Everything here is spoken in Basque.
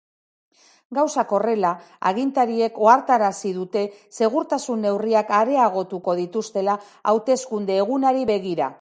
Gauzak horrela, agintariek ohartarazi dute segurtasun neurriak areagotuko dituztela hauteskunde egunari begira.